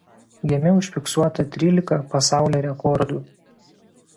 Jame užfiksuota trylika pasaulio rekordų.